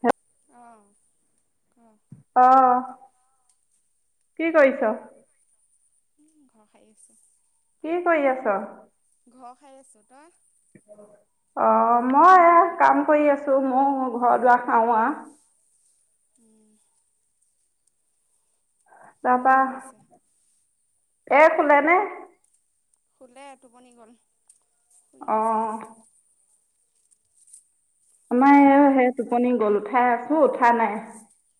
হ [unintelligible] [inaudible] অ' কি কৰিছ? উ ঘৰ সাৰি আছো। কি কৰি আছ? ঘৰ সাৰি আছো। তই? অ' মই এ কাম কৰি আছো। মোৰ ঘৰ দুৱ সাৰো আও। [inaudible] [inaudible] এ শুলেনে? শুলে, টোপনি গ'ল। [inaudible] অ'। আমাৰ জীয়াই এই শুলে? সে টোপনি গ'ল। উঠাই আছো উঠা নাই।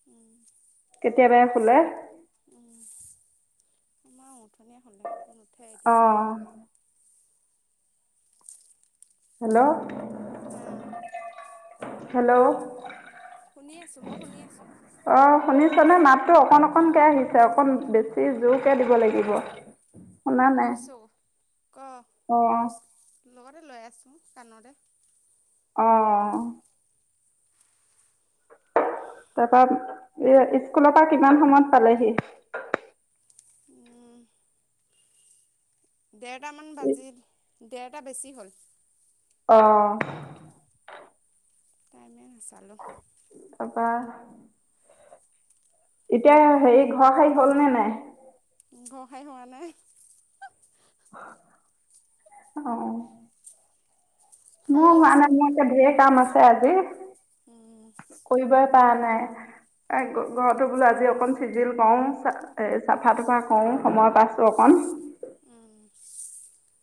উম, কেতিয়াবাই শুলে উম, [inaudible] নুঠে এতিয়া অ', সহজে। হেল্ল'? হা' হেল্ল'? শুনি আছো মই শুনি আছো। শুনি চনে মাত টো অকণ অকনকে আহিছে অকণ বেছি জোৰকে দিব লাগিব। শুনা নাই কচো ক অ', লৈ আছো, কাণৰে অ' তাৰ পা এই স্কুলৰ পৰা কিমান সময়ত পালেহি? দেৰটামান বাজিল, দেৰটা বেছি হ'ল। অ' টাইমে নাচালোঁ। তাৰ পা এতিয়া হেৰি ঘৰ সাৰি হ'ল নে নাই? ঘৰসাই হোৱা নাই। অ। মোৰ সাৰি হোৱা আছোঁ। নাই মোৰ এতিয়া ধেৰ কাম আছে আজি, উম, কৰিবই পৰা নাই। ঘৰতো বোলো আজি অকন চিজিল কৰও চ এ চাফা তুফা কৰো সময় পাইছো অকন। উম,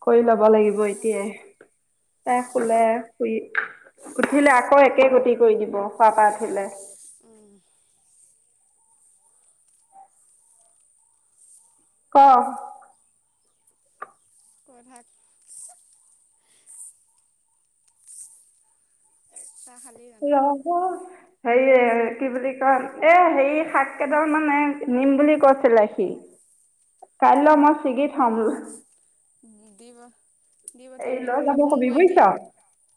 কৰি ল'ব লাগিব আধা, এতিয়াই তাই খোলে উম, শুই উঠিলে আকৌ একে গতি কৰি দিব খুৱ পৰা উঠিলে। উম। ক [inaudible] চাহ খালি জানো ৰহ হেৰি কি বুলি কয় এ হেৰি শাক কেইডাল মানে নিম বুলি কৈছিলে সি। কাইলৈ মই চিঙি থম। দি দি হেৰি পঠিয়াবি লৈ যাব নহ'লে ফোন কবি বুজিছ কৰিবি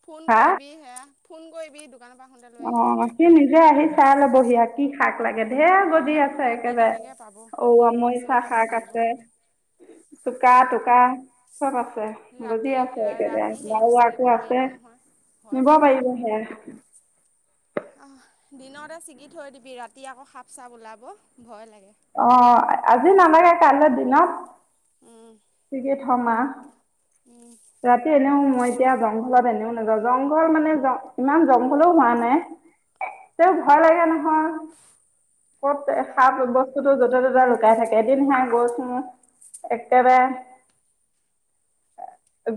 ফোন কৰিবি হে ফোন কৰিবি। দোকানৰ পৰা আহোঁতে লৈ অ আহিব সি নিজে আহ চাই ল'বহিয়া কি শাক লাগে। ধেৰ গজি আছে ৰাতি একেবাৰে কেনেকৈ পাব অ দিনতে ছিগি মৰিচা থ'ব শাক লাগিব আছে চোকা হয় টোকা চব আছে গজি ৰাতি আছে একেবাৰে ৰাতি সেই লাৰু ছিগিব আকৌ নোৱাৰিব আছে নহয় ভয় নিব লাগে পাৰিবহে। আহ দিনতে ছিগি থৈ দিবি ৰাতি আকৌ সাপ চাপ ওলাব ভয় লাগে। অ আজি নালাগে কাইলে দি ন? উম ঠিকে। উম [inaudible] ৰাতি এনেও মই এতিয়া জংঘলত এনেও জংঘল মানে ইমান জংঘলও হোৱা নাই। তেওঁ ভয় লাগে নহয়, কত আহ সা বসু বস্তুো য'তে ত'তে লুকাই থাকে, এদিন হে গৈছো, একেবাৰে,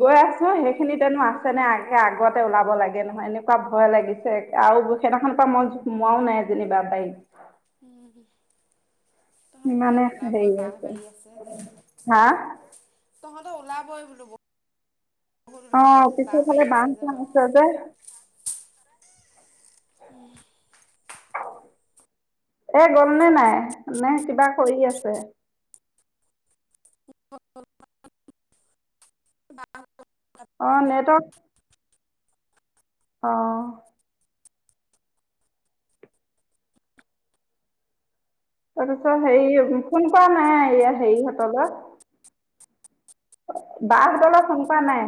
গৈ আছো সেইখিনিতেনো আছে ন আগে আগতে ওলাব লাগে নহয়, এনেকুৱা ভয় লাগিছে আৰু সেইদিনাখন পৰা মই হোমোৱাও নাই যেনিবা বাৰীত। [inaudible] তহঁতৰ সিমানে ঠাইত হেৰি ওলাবই বাঁহ আছে। বাৰী যে হা? তহঁতৰ ওলাবই বোলো ব অ পিছৰফালে বাহ যে চাহ ওচৰত আছে যে। [inaudible] [unintelligible] এ গলনে নাই? নে কিবা কৰি আছে? [inaudible] অ নেটক অ। তাৰপিছত সেৰি ফোন কৰা নাই সেৰিহঁতৰ বা হতলে ফোন কৰা নাই?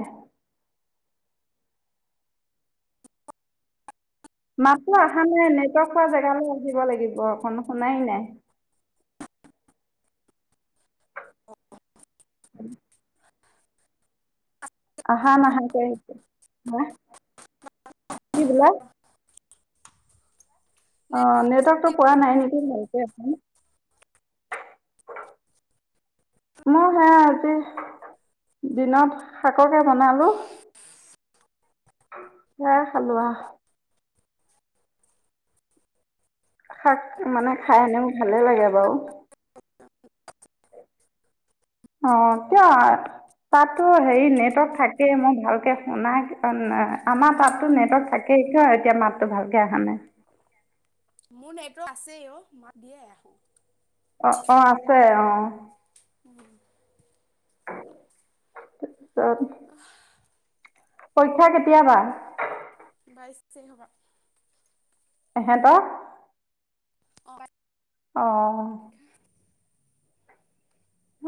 মাত টো অহা নাই, নেটৱক পোৱা জেগালে আহিব লাগিব অকণ শুনাই নাই। [inaudible] অহা নহা কে আইিছে [unintelligible] নে অ নেটৱৰ্কতটো পোৱা নাই নেকি ভালকে? এ মই সেয়া আজি দিনত শাককে বনালো সেয়াই খালো আহ। শাক মানে খাই এনেও ভালে লাগে বাও। [inaudible] অ কিয় তাতো হেৰি নেটৱৰ্ক থাকেই, মই ভালকে শুনাই পোৱা নাই। আমাৰ তাতো নেটৱৰ্ক থাকেই কিয় এতিয়া মাতটো ভালকে আহা নাই? মোৰ নেটৱৰ্ক আছে অ। ম [inaudible] অ অ আছে অ। [inaudible] [inaudible] পৰীক্ষা কেতিয়াপা? বাইছ তাৰিখৰ পৰা। এহেত? অ [inaudible] আহ।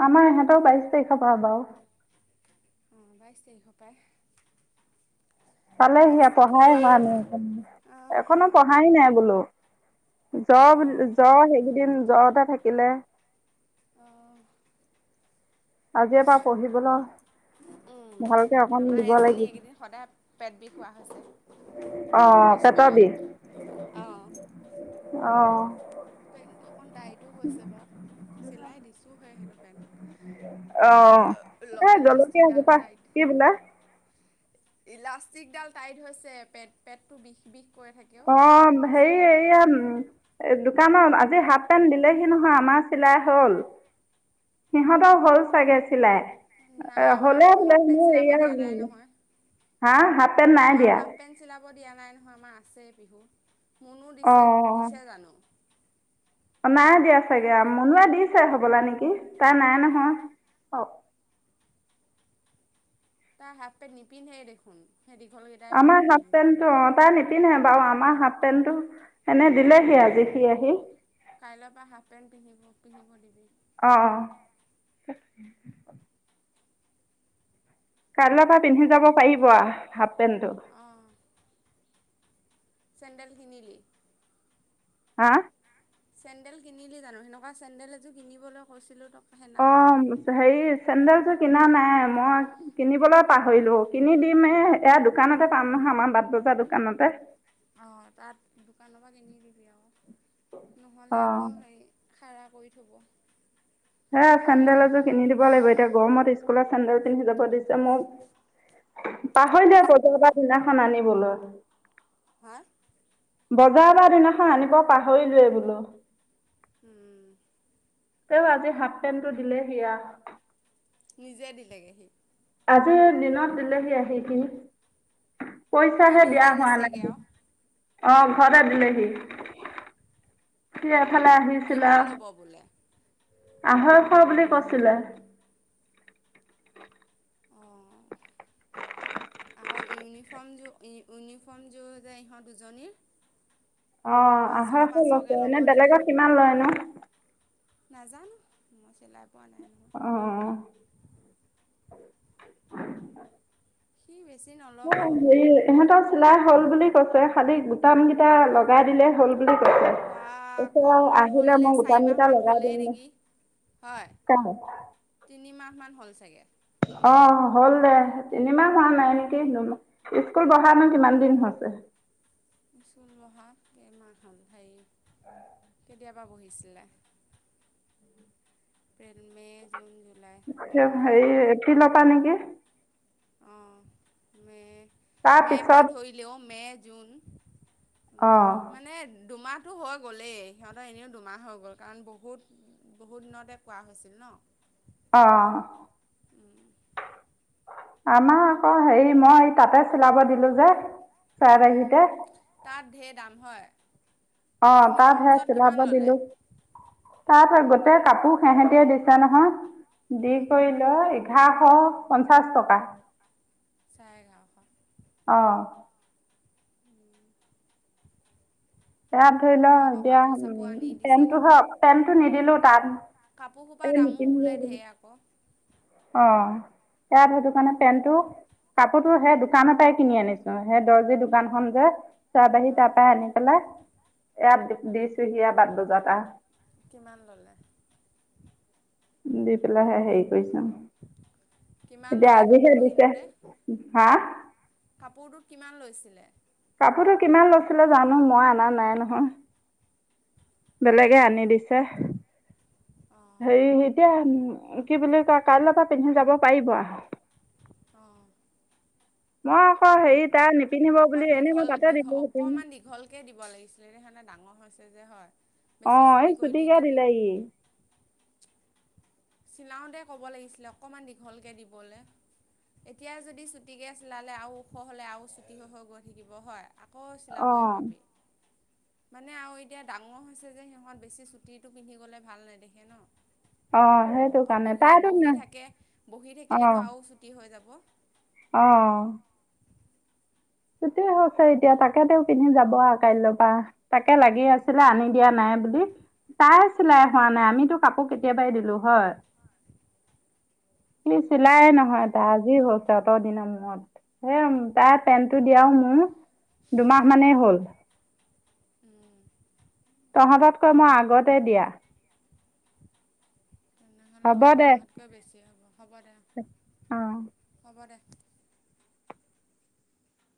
আমাৰ ইহঁতৰ বাইশ তাৰিখৰ পৰা বাও। অ বাইশ তাৰিখৰ পায়। পালে হি আ পঢ়াই হোৱা নাই, পৰা অঁ এখনো পঢ়াই নাই বোলো, জ্বৰ জ্বৰ সেইকেইদিন জ্বৰতে থাকম গিলে। [inaudible] আজিঅ পা পঢ়িবলো। উ আমাৰ এজনী লাগিব এইকেইদিন সদায় পেট বিষোৱা হৈছে অঁ পেটৰ স্কুলত বিষ অ। অঁ তেন্তে, অণ টাইটো হৈছে বাও, চিলাই দিছোহে সেইটো পেন্ট অঁ এই জলকীয়া ইলাষ্টিকডাল এজোপা টাইট। কি বোলে ইলাষ্টিক ডাল টাইট হৈছে। পেট পেটটো বিষ বিষ কৰি থাকে অ হেৰি স্কুলত এইয়া, দু তমান আজি হাফ পেণ্ট দিলেহি নহয় আমাৰ চিলাই হল। সিহঁতও হ'ল চাগে চিলাই। নাই আমাক হ'লে আকৌ বোলে হাফ পেণ্ট মোৰ চিলাব এয়া দিয়া নাই নহয়। হা হাফ পেণ্ট নাই আমাৰ দিয়া হাফ পেণ্ট চিলাব দিয়া নাই নহয় আমাৰ আছেই। বিহু অ আমা দিয়া চাগে মনোৱা দিছে হবলা নেকি, তাৰ নাই নহয় অ তাই হাফ পেণ্ট নিপিন্ধে দেখোন। সেই দীঘলকেইটাই পিন্ধি আমাৰ হাফ পিন্ধি যায়। পেণ্টটো অ তাই নিপিন্ধে বাৰু, আমাৰ হাফ পেনটো এনে দিলেহি আজি সি আহি। কাইলৈ পৰা হাফ পেণ্ট পিন্ধিব পিন্ধিব দিব। অ অ কাইলৈ পৰা পিন্ধি যাব পাৰিব হাফ পেণ্টটো চেণ্ড্ৰেল কিনিলি? হা? চেন্ডেল কিনিলি জানো, সেনেকা চেন্দেল এযোৰ কিনিবলৈ কৈছিলো ত অ সেই চেন্দেল চ কি কিনা নাই মই কিনিবলৈ পাহৰিলো। কিনি দিম এই এয়া দোকানতে পাম নহয় আমাৰ বাট বজাৰ দোকানতে। অ তাত দোকানৰ পৰা কিনি দিবি আও অ নহ'লে আকৌ হেৰি খাৰা কৰি থ'ব হে চেন্দেল এযোৰ কিনি দিব লাগিব এতিয়া গৰমত স্কুলত চেন্দেল পিন্ধি যাব দিছে মোক। পাহৰি যাও ত বজাৰ দিনাখন আনিব বলা হা? বজাৰ বা দিনাখন আনিব পাহৰিলোৱে বোলো। উম। তেওঁ আজি হাফ পেণ্টটো দিলে সেয়া নিজে দিলেগে সি, ক [unintelligible] সি পইচাহে দিয়া নিজে হোৱা নাই। দিছেগে আৰু অ ঘতে দিলেহি। সি অঁ এফালে আহিছিলে। কিমান ল'ব বোলে? আহৈশ বুলি কৈছিলে। অঁ আকৌ ইউনিফৰ্ম মোৰ, ইউনিফৰ্ম যোৰ যে ইহঁত দুজনীৰ অ পাঁচশ আহেশ লৈছে। পাঁচশকৈ ল'ব এনে নেকি বেলেগত কিমান লয়নো, নাজানো মই চিলাই- বানাইন [unintelligible] অ সিমে [unintelligible] হেৰি ইহঁতও আছিলা [unintelligible] হল বুলি কৈছে খালি গুটাম কেইটা লগাই দিলে হ'ল বুলি কৈছে বা কৈছে কম মাহ হল আহিলে ন মই চাৰি মাহ বুটামকেইটা মান লগাই হ'লেই দিম নেকি হয় তিনি মাহ মান হল চাকে অ হ'ল দে তিনিমাহ হোৱা নাই নেকি স্কুল বঢ়া নো কিমান দিন হৈছে চুলমহা কেইমাহ হল হে কেতিয়াবা বহিছিলে এপ্ৰিল মে' জুন জুলাই অঁ নাই হেৰি হোৱা দে এপ্ৰিলৰ পৰা নেকি অ মে মে' তাৰপিছত পাত ধৰিলেও মে' জুন মাহ অঁ মানে দুমাহ সহঁতো হৈ গ'লেই সিহঁতৰ এনেও দুমাহ হৈ গ'ল কাৰণ বহুত বহুত দিনতে কোৱা হৈছিল ন অ উম আমাৰ আকৌ হেৰি মই তাতে চলাব দিলো যে উম। চাইহিতে তাত ঢেৰ দাম [unintelligible] হয় অ তাতহে ইউনিফৰ্মযোৰত চিলাব কিমান ল'লে দিলো তাত হৈ গ ততে কাপোৰ সেহতিয় দিছা নহয় দি অঁ কৰিল এঘাৰশ পঞ্চাছ টকা চাৰে এঘাৰশ আহ তাত ধৰি লও আমাৰ আকৌ এতিয়া কাপোৰ চাপোৰ আনি উ দিছে পেনটো নহয় হওক পেনটো নিদিলো তাত কাপোৰ সোপা দামো বোলে ঢেৰ আকৌ অ তাত সেইটো কাৰণে পেন্টটো কাপোৰটো সেই দোকানৰ পৰাই কিনি আনিছো সেই দৰ্জি দোকানখন যে চাবাহি অঁ তাপা আনি পেলাই এয়াত দিছোহি বাট বজাত এটা কিমান ললে দু পেলাই হে সেই কিমান এতিয়া ল'লে আজিহে কাপোৰটো দিছে কিনোতে হা আছিলে কাপোৰতো কিমান লৈছিলে জানো মই অনা নাই নহয় বেলেগে অঁ আনি দিছে হে অঁ এতিয়া কি বুলি কয় কাইলৈ পৰা পিন্ধি যাব পাৰিব আহ আহ মই আকৌ হেৰি তাই নিপিন্ধিব বুলি অকন এনেই মই দীঘল তাতে দীঘল দিলো হেতেন। অকনমান দীঘলকে দিব লাগিছিলে স সে ডাঙৰ হৈছে যে হয় অ বেছি এই ছুটি কৰিলি চুটিকে নেকি? দিলেহি চিলাওঁতে ক'ব লাগিছিলে অকণমান দীঘলকে দিবলে এতিয়া যদি চুটিকৈ চিলালে আৰু ওখ হ'লে আৰু চুটি হৈ হৈ গৈ থাকিব হয় আকৌ চিলাবই অঁ পাবি মানে আৰু এতিয়া ডাঙৰ হৈছে যে সিহঁত বেছি চুটীটো পিন্ধি গলে ভাল নেদেখে ন অঁ সেইটো আকৌ কাৰণে বহি তাইতো বহি থাকে বহি থাকিলেতো আৰু ছুটি হৈ যাব ৱাহ অ চুটি হৈছে এতিয়া তাকে তেওঁ পিন্ধি যাব আৰু কাইলৈ পৰা তাকে লাগি আছিলে আনি দিয়া নাই বুলি তাই চিলাই হোৱা নাই আমিতো কাপোৰ কেতিয়াবাই দিলো হয় স চিলাই নহয় তাই আজি হৈছে অত দিনৰ মূৰত এ তাই পেণ্ট দিয়াও মোৰ দুমাহ মানেই হ'ল [inaudible] তহঁততকৈ মই আগতে দিয়া তেনেহ'লে হ'ব বে দে দুুমাহতকৈ বেছি হ'ব হ'ব দে অঁ হ'ব দে